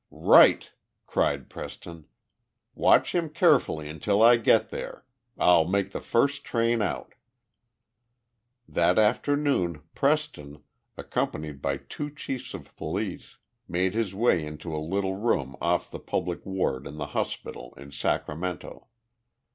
"Right!" cried Preston. "Watch him carefully until I get there. I'll make the first train out." That afternoon Preston, accompanied by two chiefs of police, made his way into a little room off the public ward in the hospital in Sacramento.